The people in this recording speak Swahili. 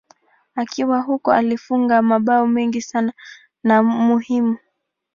Akiwa huko alifunga mabao mengi sana na muhimu.